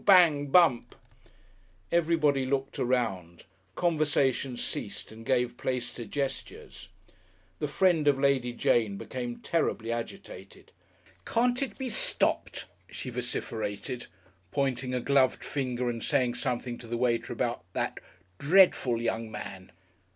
Bang! Bump! Everybody looked around, conversation ceased and gave place to gestures. The friend of Lady Jane became terribly agitated. "Can't it be stopped?" she vociferated, pointing a gloved finger and saying something to the waiter about "That dreadful young man."